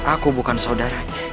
aku bukan saudaranya